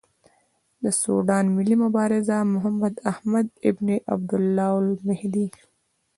د سوډان ملي مبارز محمداحمد ابن عبدالله المهدي.